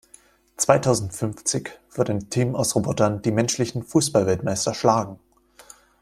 Zweitausendfünfzig wird ein Team aus Robotern die menschlichen Fußballweltmeister schlagen.